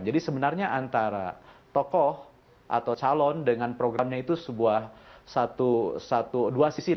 jadi sebenarnya antara tokoh atau calon dengan programnya itu sebuah dua sisi